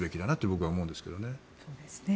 僕は思うんですけどね。